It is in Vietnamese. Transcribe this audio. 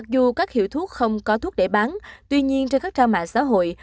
dù các hiệu thuốc không có thuốc để bán tuy nhiên trên các trang mạng xã hội